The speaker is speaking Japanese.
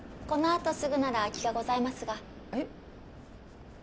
このあとすぐなら空きがございますがえっ？